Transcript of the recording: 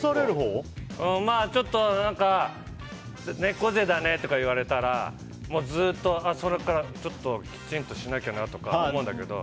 ちょっと猫背だねとか言われたらずっと、それからきちんとしなきゃなとか思うんだけど。